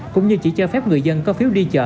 cũng như chỉ cho phép người dân có phiếu đi chợ